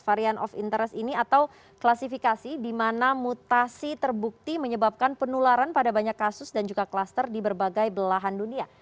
varian of interest ini atau klasifikasi di mana mutasi terbukti menyebabkan penularan pada banyak kasus dan juga klaster di berbagai belahan dunia